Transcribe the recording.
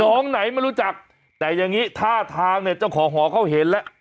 น้องไหนไม่รู้จักแต่อย่างนี้ท่าทางเนี่ยเจ้าของหอเขาเห็นแล้ว